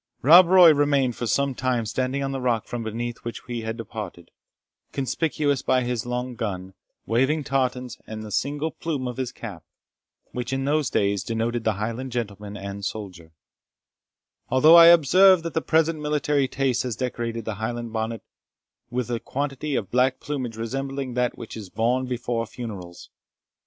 Rob Roy remained for some time standing on the rock from beneath which we had departed, conspicuous by his long gun, waving tartans, and the single plume in his cap, which in those days denoted the Highland gentleman and soldier; although I observe that the present military taste has decorated the Highland bonnet with a quantity of black plumage resembling that which is borne before funerals.